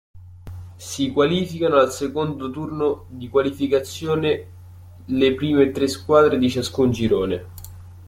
Si qualificano al secondo turno di qualificazione le prime tre squadre di ciascun girone.